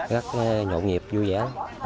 rất nhộn nghiệp vui vẻ